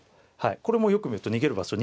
これもよく見ると逃げる場所